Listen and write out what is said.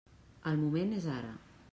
El moment és ara.